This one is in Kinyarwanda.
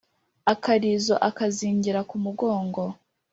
Akarizo akazingira ku mugongo